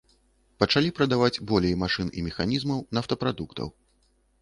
Пачалі прадаваць болей машын і механізмаў, нафтапрадуктаў.